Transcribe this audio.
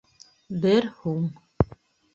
Бер һум